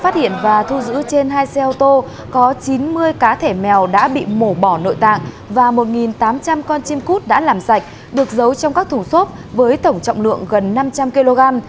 theo dữ trên hai xe ô tô có chín mươi cá thể mèo đã bị mổ bỏ nội tạng và một tám trăm linh con chim cút đã làm sạch được giấu trong các thủ xốp với tổng trọng lượng gần năm trăm linh kg